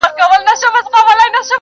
د خپل ښايسته خيال پر زرينه پاڼه.